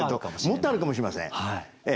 もっとあるかもしれません。